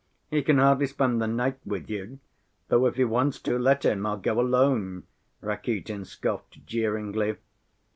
"He can hardly spend the night with you! Though if he wants to, let him! I'll go alone," Rakitin scoffed jeeringly.